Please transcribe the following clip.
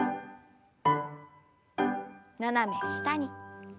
斜め下に。